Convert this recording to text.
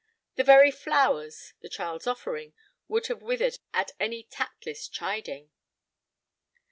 The very flowers, the child's offering, would have withered at any tactless chiding.